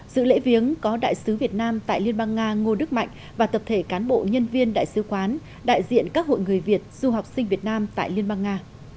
dự lễ viếng có đại sứ việt nam tại liên bang nga ngô đức mạnh và tập thể cán bộ nhân viên đại sứ quán đại diện các hội người việt du học sinh việt nam tại liên bang nga